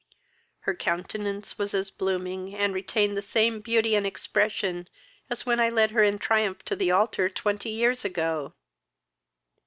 Her countenance was as blooming, and retained the same beauty and expression as when I led her in triumph to the altar twenty years ago."